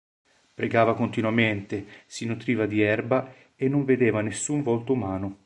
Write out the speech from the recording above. Pregava continuamente, si nutriva di erba e non vedeva nessun volto umano.